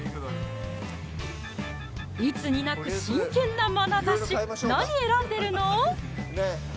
いつになく真剣なまなざし何選んでるの？